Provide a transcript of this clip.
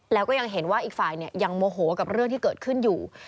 แล้วก็ยังเห็นว่าอีกฝ่ายยังโมโหกับเรื่องที่เกิดขึ้นอยู่